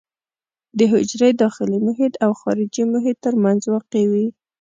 د حجرې داخلي محیط او خارجي محیط ترمنځ واقع وي.